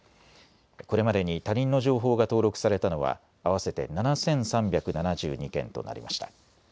これまでに他人の情報が登録されたのは合わせて７３７２件となりました。